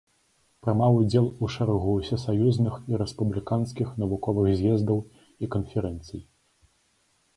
Прымаў удзел у шэрагу усесаюзных і рэспубліканскіх навуковых з'ездаў і канферэнцый.